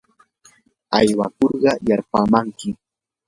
aywakurqa yarpaamankim.